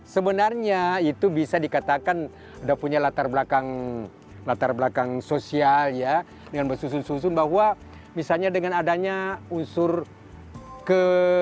sebenarnya itu bisa dikatakan sudah punya latar belakang latar belakang sosial ya dengan bersusun susun bahwa misalnya dengan adanya unsur ke